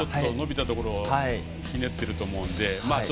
伸びたところをひねっていると思うので。